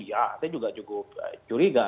ya saya juga cukup curiga